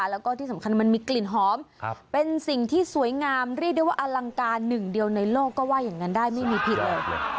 แล้วก็ที่สำคัญมันมีกลิ่นหอมเป็นสิ่งที่สวยงามเรียกได้ว่าอลังการหนึ่งเดียวในโลกก็ว่าอย่างนั้นได้ไม่มีผิดเลย